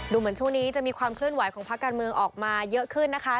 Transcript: เหมือนช่วงนี้จะมีความเคลื่อนไหวของพักการเมืองออกมาเยอะขึ้นนะคะ